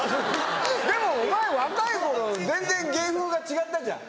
でもお前若い頃全然芸風が違ったじゃん。